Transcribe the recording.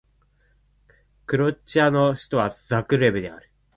クロアチアの首都はザグレブである